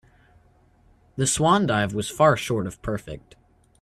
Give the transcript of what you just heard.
The swan dive was far short of perfect.